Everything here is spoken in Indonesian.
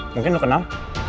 mungkin lu kenal